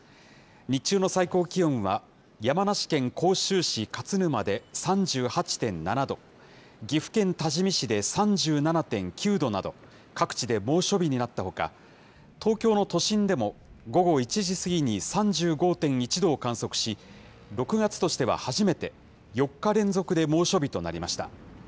日中の最高気温は、山梨県甲州市勝沼で３８．７度、岐阜県多治見市で３７．９度など、各地で猛暑日になったほか、東京の都心でも、午後１時過ぎに３５．１度を観測し、６月としては初めて４日連続で猛暑日となりました。